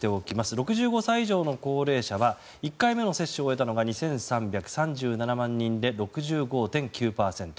６５歳以上の高齢者は１回目の接種を終えたのが２３３７万人で６５．９％。